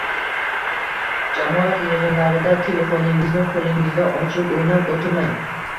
Jamoat yig‘inlarida telefoningizni qo‘lingizda ochib o‘ynab o‘tirmang.